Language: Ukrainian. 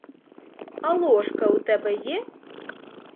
А ложка у тебе є?